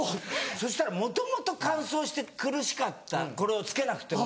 そしたらもともと乾燥して苦しかったこれを着けなくても。